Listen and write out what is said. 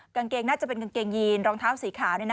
กางเกงน่าจะเป็นกางเกงยีนรองเท้าสีขาว